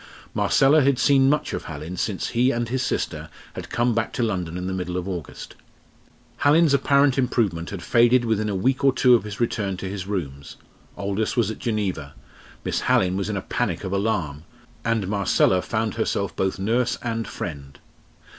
Marcella had seen much of Hallin since he and his sister had come back to London in the middle of August. Hallin's apparent improvement had faded within a week or two of his return to his rooms; Aldous was at Geneva; Miss Hallin was in a panic of alarm; and Marcella found herself both nurse and friend.